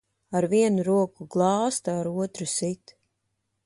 Ar vienu roku glāsta, ar otru sit.